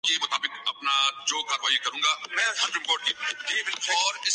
تو شاید کسی کی نظر ان پہ بھی تھی۔